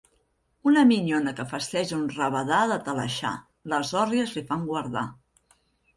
Una minyona que festeja un rabadà de Talaixà: les òrries li fan guardar.